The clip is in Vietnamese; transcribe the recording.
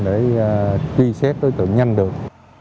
để truy xét đối tượng nhanh được